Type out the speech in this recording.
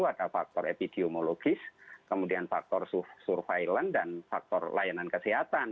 ada faktor epidemiologis kemudian faktor surveillance dan faktor layanan kesehatan